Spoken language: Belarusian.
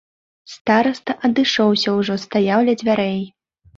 Стараста адышоўся ўжо, стаяў ля дзвярэй.